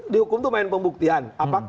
di hukum itu main pembuktian